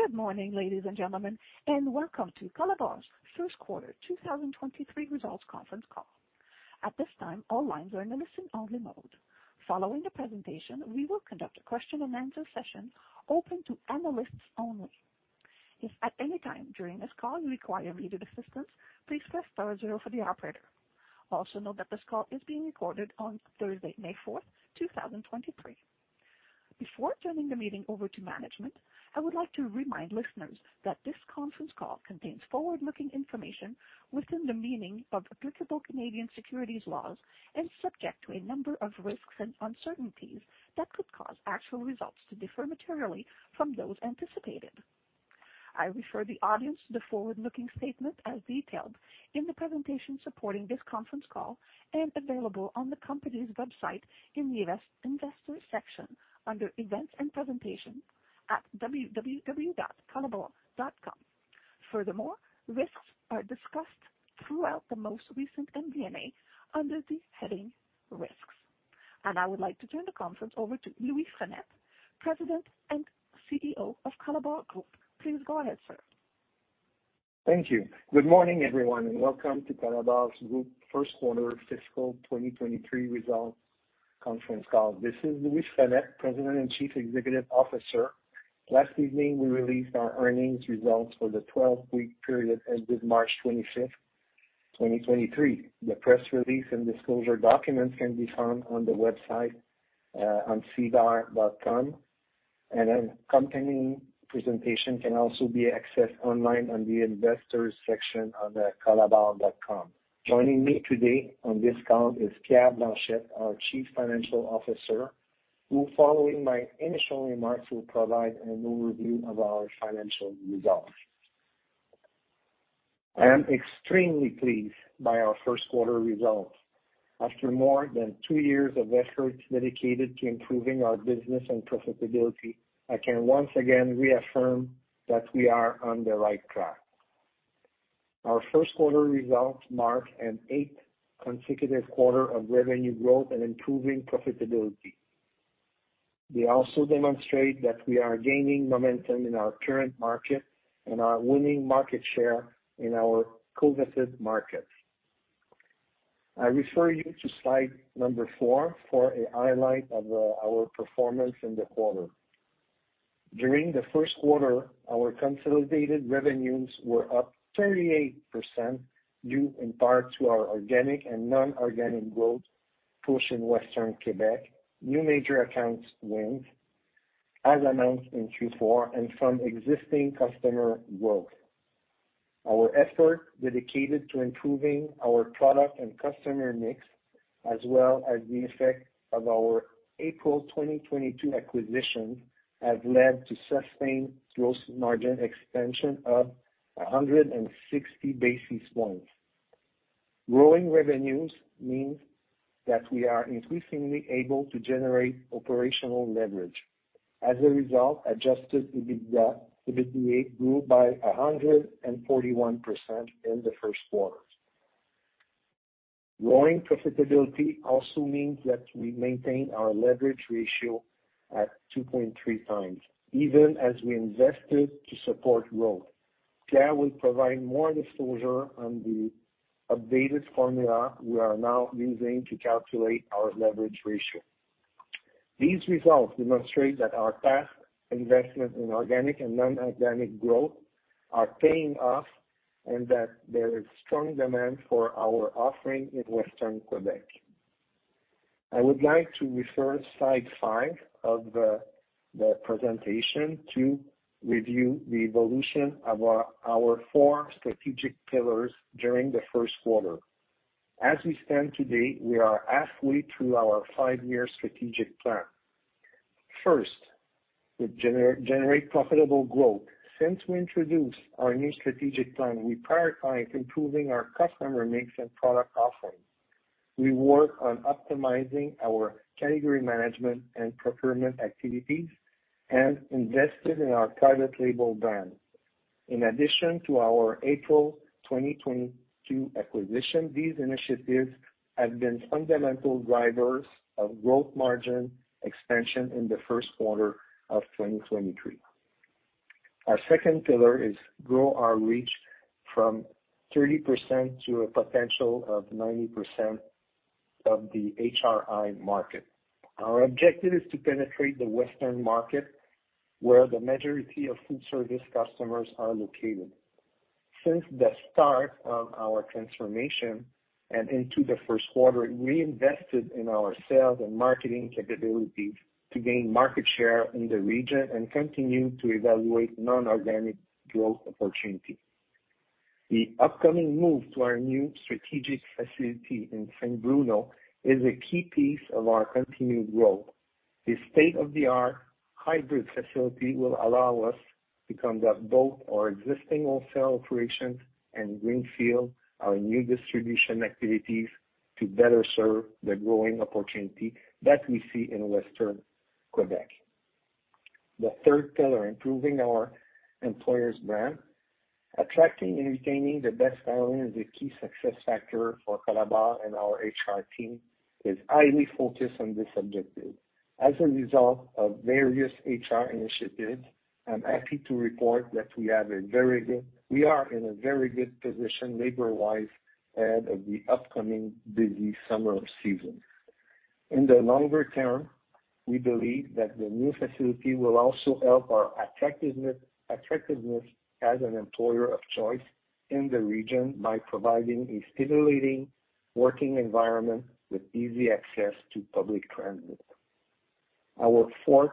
Good morning, ladies and gentlemen, welcome to Colabor's First Quarter 2023 Results Conference Call. At this time, all lines are in a listen-only mode. Following the presentation, we will conduct a question-and-answer session open to analysts only. If at any time during this call you require immediate assistance, please press star zero for the operator. Note that this call is being recorded on Thursday, May 4th, 2023. Before turning the meeting over to management, I would like to remind listeners that this conference call contains forward-looking information within the meaning of applicable Canadian securities laws and is subject to a number of risks and uncertainties that could cause actual results to differ materially from those anticipated. I refer the audience to the forward-looking statement as detailed in the presentation supporting this conference call and available on the company's website in the investors section under Events and Presentation at www.colabor.com. Furthermore, risks are discussed throughout the most recent MD&A under the heading Risks. I would like to turn the conference over to Louis Frenette, President and CEO of Colabor Group. Please go ahead, sir. Thank you. Good morning, everyone, welcome to Colabor Group first quarter fiscal 2023 results conference call. This is Louis Frenette, President and Chief Executive Officer. Last evening, we released our earnings results for the 12-week period ended March 25th, 2023. The press release and disclosure documents can be found on the website, on SEDAR.com. An accompanying presentation can also be accessed online on the investors section under colabor.com. Joining me today on this call is Pierre Blanchette, our Chief Financial Officer, who following my initial remarks, will provide an overview of our financial results. I am extremely pleased by our first quarter results. After more than two years of efforts dedicated to improving our business and profitability, I can once again reaffirm that we are on the right track. Our first quarter results mark an eighth consecutive quarter of revenue growth and improving profitability. They also demonstrate that we are gaining momentum in our current market and are winning market share in our coveted markets. I refer you to slide number four for a highlight of our performance in the quarter. During the first quarter, our consolidated revenues were up 38% due in part to our organic and non-organic growth, push in Western Quebec, new major accounts wins as announced in Q4, and from existing customer growth. Our effort dedicated to improving our product and customer mix, as well as the effect of our April 2022 acquisition, have led to sustained gross margin expansion of 160 basis points. Growing revenues means that we are increasingly able to generate operational leverage. As a result, Adjusted EBITDA grew by 141% in the first quarter. Growing profitability also means that we maintain our leverage ratio at 2.3x, even as we invested to support growth. Pierre will provide more disclosure on the updated formula we are now using to calculate our leverage ratio. These results demonstrate that our past investments in organic and non-organic growth are paying off and that there is strong demand for our offering in western Quebec. I would like to refer to Slide five of the presentation to review the evolution of our four strategic pillars during the first quarter. As we stand today, we are halfway through our five-year strategic plan. First, we generate profitable growth. Since we introduced our new strategic plan, we prioritized improving our customer mix and product offering. We work on optimizing our category management and procurement activities and invested in our private label brand. In addition to our April 2022 acquisition, these initiatives have been fundamental drivers of growth margin expansion in the first quarter of 2023. Our second pillar is grow our reach from 30% to a potential of 90% of the HRI market. Our objective is to penetrate the Western market where the majority of food service customers are located. Since the start of our transformation and into the first quarter, we invested in our sales and marketing capabilities to gain market share in the region and continue to evaluate non-organic growth opportunities. The upcoming move to our new strategic facility in Saint Bruno is a key piece of our continued growth. The state-of-the-art hybrid facility will allow us to conduct both our existing wholesale operations and greenfield our new distribution activities to better serve the growing opportunity that we see in western Quebec. The third pillar, improving our employer's brand. Attracting and retaining the best talent is a key success factor for Colabor. Our HR team is highly focused on this objective. As a result of various HR initiatives, I'm happy to report that we are in a very good position labor-wise ahead of the upcoming busy summer season. In the longer term, we believe that the new facility will also help our attractiveness as an employer of choice in the region by providing a stimulating working environment with easy access to public transit. Our fourth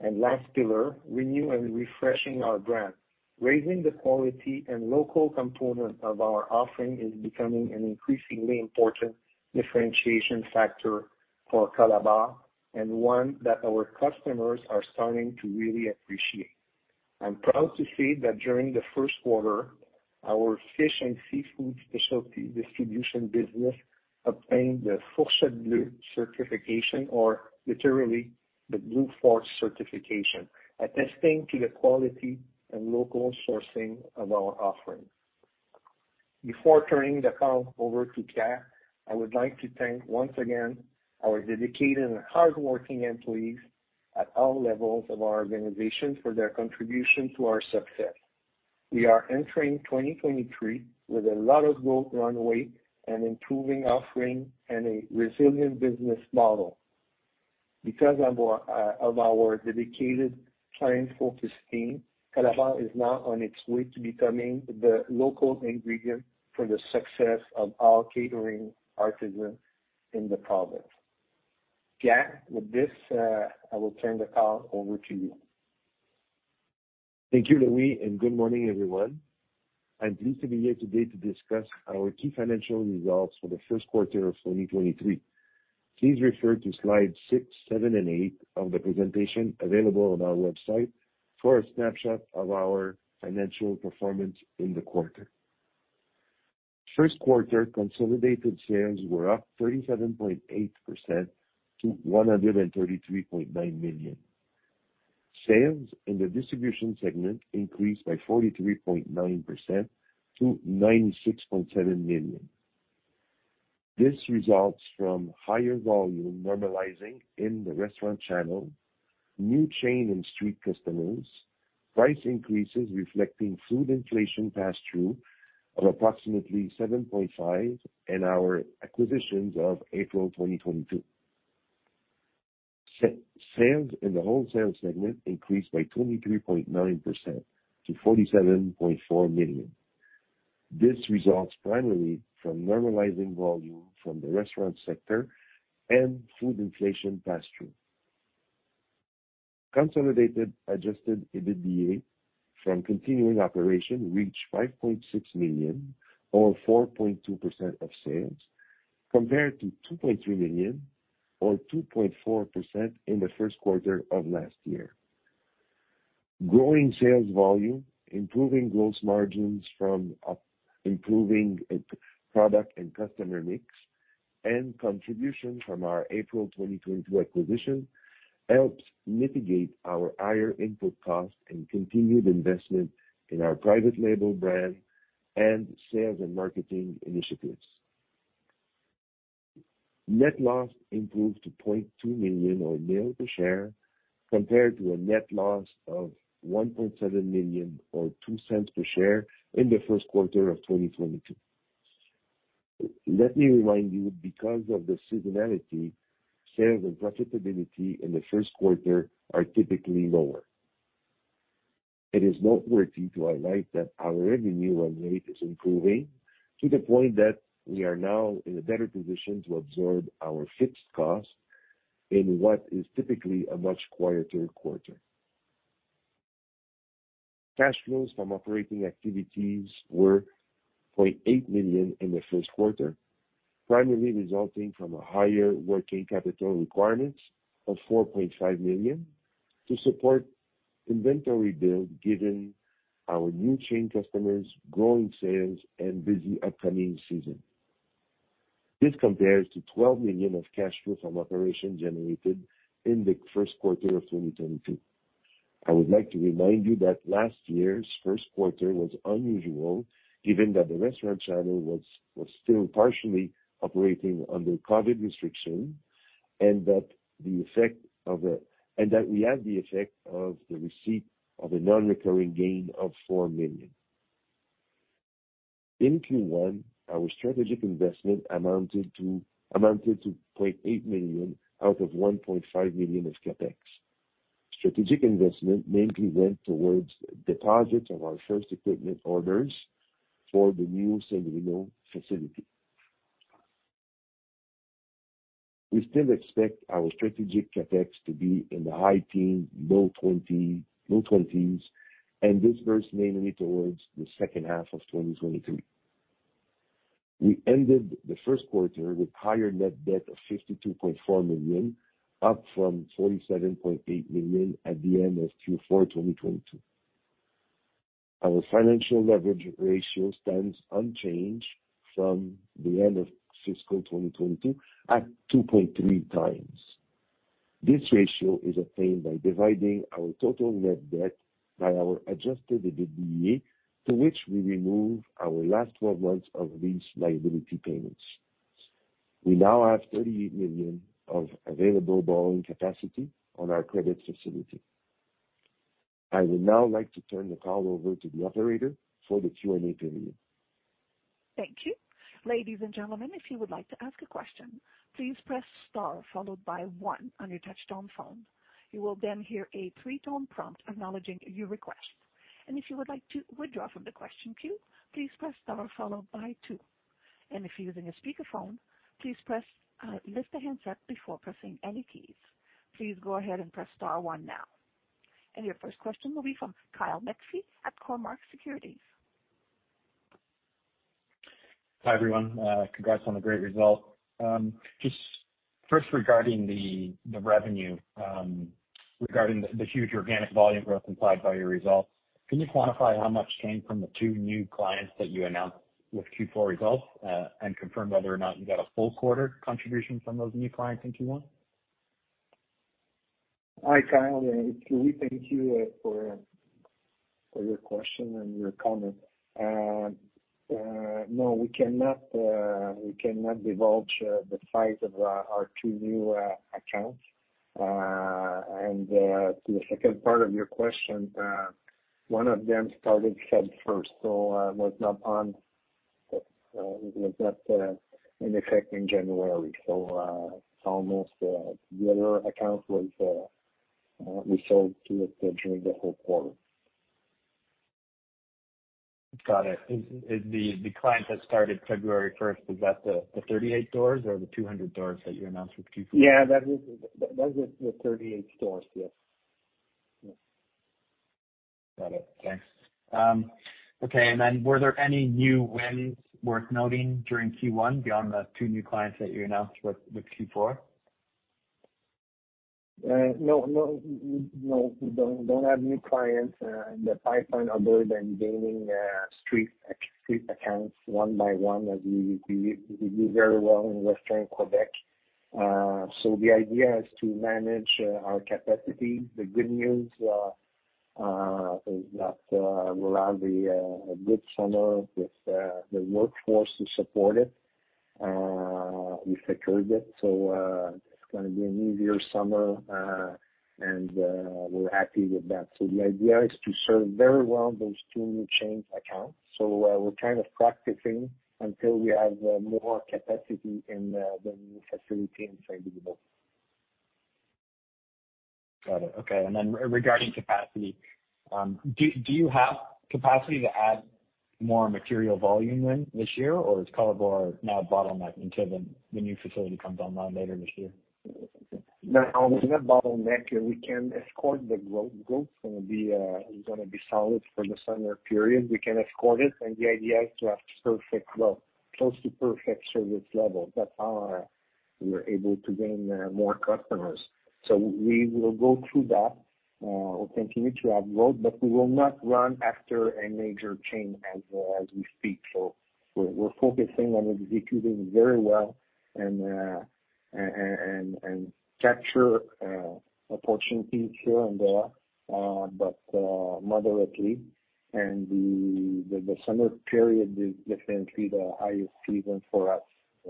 and last pillar, renew and refreshing our brand. Raising the quality and local component of our offering is becoming an increasingly important differentiation factor for Colabor, and one that our customers are starting to really appreciate. I'm proud to say that during the first quarter, our fish and seafood specialty distribution business obtained the Fourchette Bleue certification, or literally the Blue Fork certification, attesting to the quality and local sourcing of our offering. Before turning the call over to Pierre, I would like to thank once again our dedicated and hardworking employees at all levels of our organization for their contribution to our success. We are entering 2023 with a lot of growth runway and improving offering and a resilient business model. Because of our of our dedicated client-focused team, Colabor is now on its way to becoming the local ingredient for the success of our catering artisans in the province. Pierre, with this, I will turn the call over to you. Thank you, Louis. Good morning, everyone. I'm pleased to be here today to discuss our key financial results for the first quarter of 2023. Please refer to Slide six, seven and eight of the presentation available on our website for a snapshot of our financial performance in the quarter. First quarter consolidated sales were up 37.8% to 133.9 million. Sales in the distribution segment increased by 43.9% to 96.7 million. This results from higher volume normalizing in the restaurant channel, new chain and street customers, price increases reflecting food inflation passthrough of approximately 7.5%, and our acquisitions of April 2022. Sales in the wholesale segment increased by 23.9% to 47.4 million. This results primarily from normalizing volume from the restaurant sector and food inflation passthrough. Consolidated Adjusted EBITDA from continuing operation reached 5.6 million or 4.2% of sales, compared to 2.3 million or 2.4% in the first quarter of last year. Growing sales volume, improving gross margins from improving product and customer mix, and contribution from our April 2022 acquisition helps mitigate our higher input costs and continued investment in our private label brand and sales and marketing initiatives. Net loss improved to 0.2 million or nil per share, compared to a net loss of 1.7 million or 0.02 per share in the first quarter of 2022. Let me remind you, because of the seasonality, sales and profitability in the first quarter are typically lower. It is noteworthy to highlight that our revenue run rate is improving to the point that we are now in a better position to absorb our fixed costs in what is typically a much quieter quarter. Cash flows from operating activities were 0.8 million in the first quarter, primarily resulting from a higher working capital requirements of 4.5 million to support inventory build, given our new chain customers, growing sales, and busy upcoming season. This compares to 12 million of cash flow from operations generated in the first quarter of 2022. I would like to remind you that last year's first quarter was unusual, given that the restaurant channel was still partially operating under COVID restriction, we had the effect of the receipt of a non-recurring gain of 4 million. In Q1, our strategic investment amounted to 0.8 million out of 1.5 million of CapEx. Strategic investment mainly went towards deposits of our first equipment orders for the new Saint-Bruno facility. We still expect our strategic CapEx to be in the high teens, low 20s, and disperse mainly towards the second half of 2023. We ended the first quarter with higher net debt of 52.4 million, up from 47.8 million at the end of Q4 2022. Our financial leverage ratio stands unchanged from the end of fiscal 2022 at 2.3x. This ratio is obtained by dividing our total net debt by our Adjusted EBITDA, to which we remove our last 12 months of lease liability payments. We now have 38 million of available borrowing capacity on our credit facility. I would now like to turn the call over to the operator for the Q&A period. Thank you. Ladies and gentlemen, if you would like to ask a question, please press star followed by one on your touch-tone phone. You will then hear a three-tone prompt acknowledging your request. If you would like to withdraw from the question queue, please press star followed by two. If you're using a speakerphone, please lift the handset before pressing any keys. Please go ahead and press star one now. Your first question will be from Kyle McPhee at Cormark Securities. Hi, everyone. Congrats on the great result. Just first regarding the revenue, regarding the huge organic volume growth implied by your results, can you quantify how much came from the two new clients that you announced with Q4 results, and confirm whether or not you got a full quarter contribution from those new clients in Q1? Hi, Kyle. It's Louis. Thank you for your question and your comment. No, we cannot divulge the size of our two new accounts. To the second part of your question, one of them started February 1st, was not on was not in effect in January. Almost we sold to it during the whole quarter. Got it. Is the client that started February 1st, is that the 38 stores or the 200 stores that you announced with Q4? Yeah, that was the 38 stores. Yes. Yes. Got it. Thanks. Okay. Then were there any new wins worth noting during Q1 beyond the two new clients that you announced with Q4? No, we don't have new clients in the pipeline other than gaining street accounts one by one as we do very well in western Quebec. The idea is to manage our capacity. The good news is that we'll have a good summer with the workforce to support it. We secured it's gonna be an easier summer, we're happy with that. The idea is to serve very well those two new chain accounts. We're kind of practicing until we have more capacity in the new facility in Saint-Liboire. Got it. Okay. Regarding capacity, do you have capacity to add more material volume then this year, or is Colabor now bottlenecked until the new facility comes online later this year? No. We're not bottlenecked. We can escort the growth. Growth's gonna be, is gonna be solid for the summer period. We can escort it, and the idea is to have perfect, well, close to perfect service level. That's how we're able to gain more customers. We will go through that. We'll continue to have growth, but we will not run after a major chain as we speak. We're focusing on executing very well and capture opportunities here and there, but moderately. The summer period is definitely the highest season for us.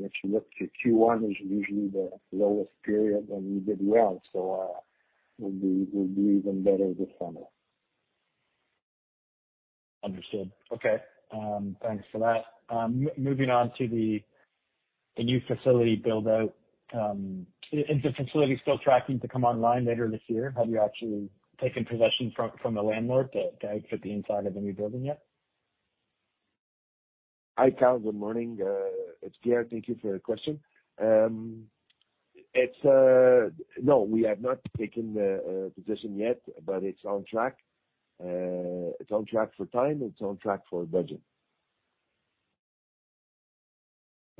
If you look at Q1 is usually the lowest period, and we did well, we'll do even better this summer. Understood. Okay. Thanks for that. Moving on to the new facility build out. Is the facility still tracking to come online later this year? Have you actually taken possession from the landlord to outfit the inside of the new building yet? Hi, Kyle. Good morning. It's Pierre. Thank you for your question. No, we have not taken possession yet, but it's on track. It's on track for time. It's on track for budget.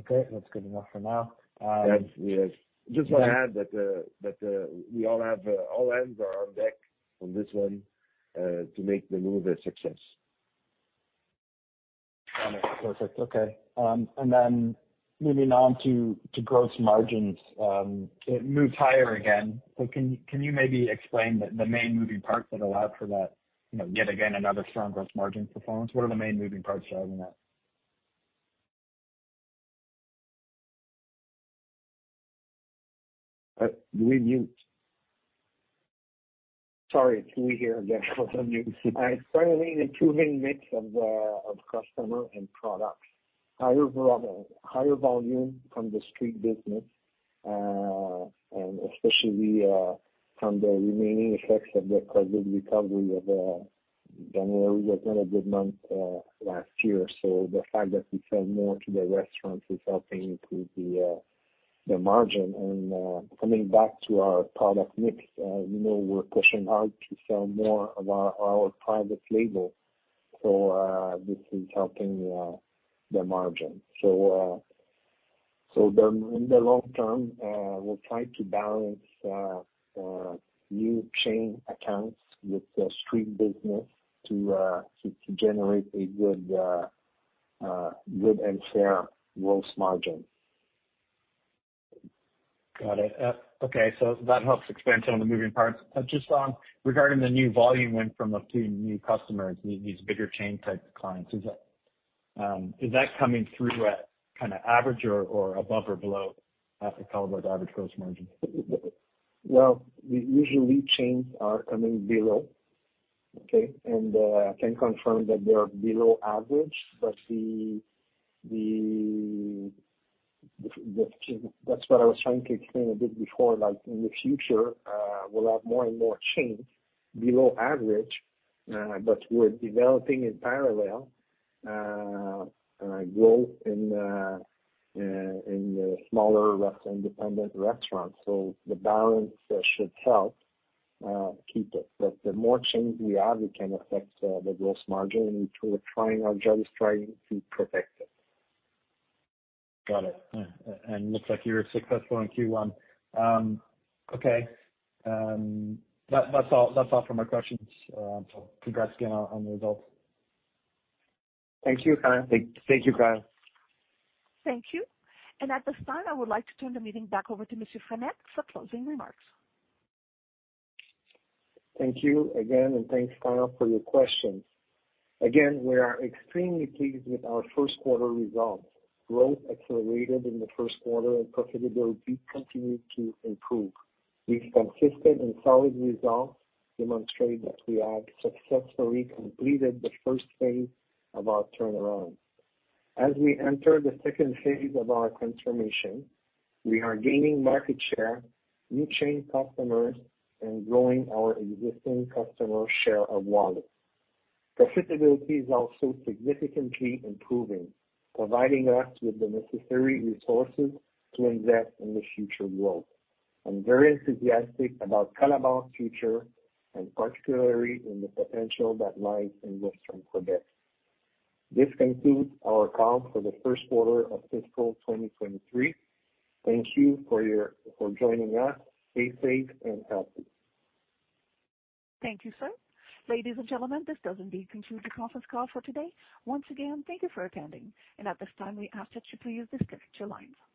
Okay. That's good enough for now. Yes. Yes. Just wanna add that all hands are on deck on this one to make the move a success. Got it. Perfect. Okay. And then moving on to gross margins. It moved higher again. Can you maybe explain the main moving parts that allowed for that, you know, yet again another strong gross margin performance? What are the main moving parts driving that? You're on mute. Sorry, it's Louis here again. I was on mute. Primarily the improving mix of customer and products. Higher volume from the street business, and especially from the remaining effects of the COVID recovery of January was not a good month last year. The fact that we sell more to the restaurants is helping improve the margin. Coming back to our product mix, you know, we're pushing hard to sell more of our private label, this is helping the margin. In the long term, we'll try to balance new chain accounts with the street business to generate a good and fair gross margin. Got it. Okay, that helps expand some of the moving parts. Just on regarding the new volume win from a few new customers, these bigger chain type clients, is that coming through at kinda average or above or below at the Colabor average gross margin? Well, the usual lead chains are coming below, okay? I can confirm that they are below average. The ch- that's what I was trying to explain a bit before, like in the future, we'll have more and more chains below average. We're developing in parallel, growth in the smaller independent restaurants. The balance should help keep it. The more chains we add, it can affect the gross margin, we're trying, our job is trying to protect it. Got it. Looks like you were successful in Q1. Okay. That's all for my questions. Congrats again on the results. Thank you, Kyle. Thank you. At this time, I would like to turn the meeting back over to Monsieur Frenette for closing remarks. Thank you again, thanks, Kyle, for your questions. We are extremely pleased with our first quarter results. Growth accelerated in the first quarter, and profitability continued to improve. These consistent and solid results demonstrate that we have successfully completed the first phase of our turnaround. As we enter the second phase of our transformation, we are gaining market share, new chain customers, and growing our existing customer share of wallet. Profitability is also significantly improving, providing us with the necessary resources to invest in the future growth. I'm very enthusiastic about Colabor future and particularly in the potential that lies in restaurant Quebec. This concludes our call for the first quarter of fiscal 2023. Thank you for joining us. Stay safe and healthy. Thank you, sir. Ladies and gentlemen, this does indeed conclude the conference call for today. Once again, thank you for attending. At this time, we ask that you please disconnect your lines.